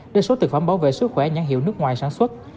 để số thực phẩm bảo vệ sức khỏe nhãn hiệu nước ngoài sản xuất